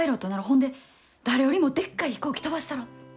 ほんで誰よりもでっかい飛行機飛ばしたろ。